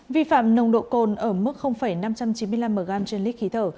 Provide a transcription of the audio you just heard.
vi phạm nồng độ cồn ở mức năm trăm chín mươi năm mg trên lít khí thở